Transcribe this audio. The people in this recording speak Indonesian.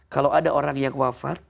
kalau ada orang yang wafat